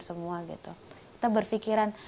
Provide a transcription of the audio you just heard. semua gitu kita berpikiran